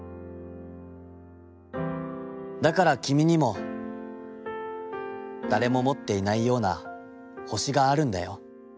だからきみにも、誰も持っていないような星があるんだよ』。